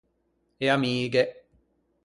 E amighe.